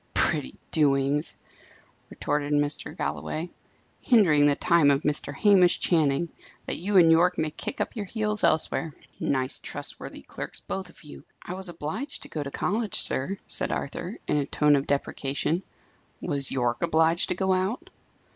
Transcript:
"Pretty doings!" retorted Mr. Galloway. "Hindering the time of Mr. Hamish Channing, that you and Yorke may kick up your heels elsewhere! Nice trustworthy clerks, both of you!" "I was obliged to go to college, sir," said Arthur, in a tone of deprecation. "Was Yorke obliged to go out?"